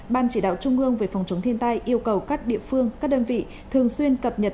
ban chỉ đạo trung ương về phòng chống thiên tai yêu cầu các địa phương các đơn vị thường xuyên cập nhật